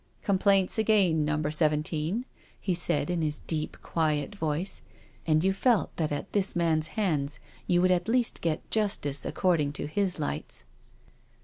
" Complaints again. Number Seventeen?" he said in his deep, quiet voice, and you felt that at this man's hands you would at least get justice, according to his lights.